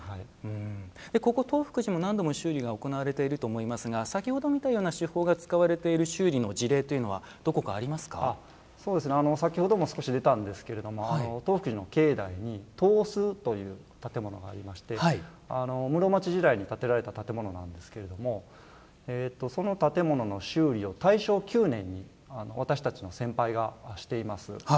ここ東福寺も何度も修理が行われていると思いますが先ほど見たような手法が使われている修理の事例というのは先ほども少し出たんですけど東福寺の境内に東司という建物がありまして室町時代に建てられた建物なんですけれどもその建物の修理を大正９年に私たちの先輩がしています。